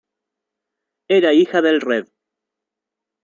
Era hija del Rev.